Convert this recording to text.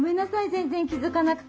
全然気付かなくて。